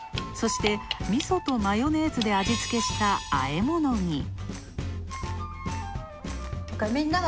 そして、味噌とマヨネーズで味付けしたあえ物に。